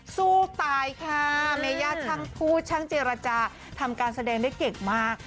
สู้ตายค่ะเมย่าช่างพูดช่างเจรจาทำการแสดงได้เก่งมาก